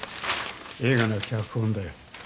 映画の脚本だよ。